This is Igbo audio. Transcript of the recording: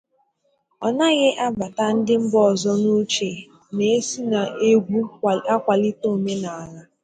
ọ naghị agbata ndị mba ọzo n'uche na e si n'egwu akwalite omenala